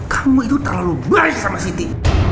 kamu itu terlalu baik sama siti